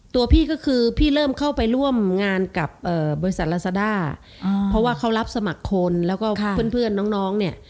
ตัวพี่ก็คือพี่เริ่มเข้าไปร่วมงานกับบริษัทลาซาด้าเพราะว่าเขารับสมัครคนแล้วก็เพื่อนน้องเนี่ย